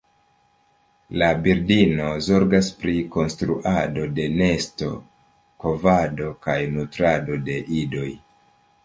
La birdino zorgas pri konstruado de nesto, kovado kaj nutrado de idoj.